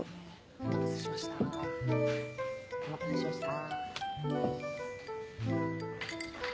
お待たせしましたお待たせしました。